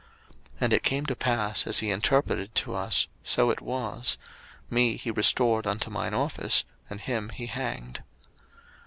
01:041:013 And it came to pass, as he interpreted to us, so it was; me he restored unto mine office, and him he hanged.